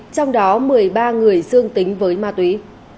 trong đó một mươi ba người dương tính với ma túy